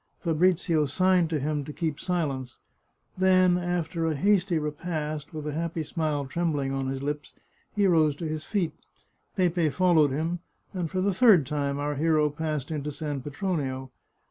Fa brizio signed to him to keep silence ; then, after a hasty re past, with a happy smile trembling on his lips, he rose to his feet. Pepe followed him, and for the third time our hero passed into San Petronio.